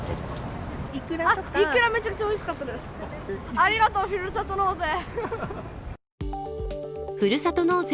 ありがとう、ふるさと納税。